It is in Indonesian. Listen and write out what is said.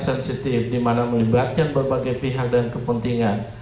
secara sensitif dimana melibatkan berbagai pihak dan kepentingan